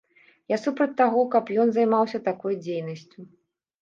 Я супраць таго, каб ён займаўся такой дзейнасцю.